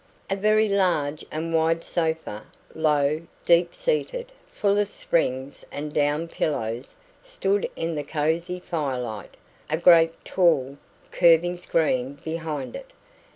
A very large and wide sofa, low, deep seated, full of springs and down pillows, stood in the cosy firelight, a great, tall, curving screen behind it.